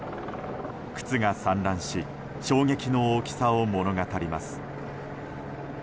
靴が散乱し衝撃の大きさを物語ります。